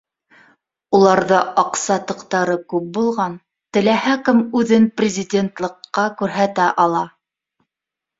Уларҙа аҡса тоҡтары күп булған теләһә кем үҙен президентлыҡҡа күрһәтә ала